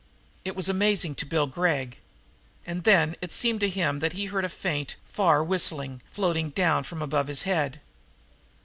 It was amazing to Bill Gregg; and then it seemed to him that he heard a faint, far whistling, floating down from high above his head.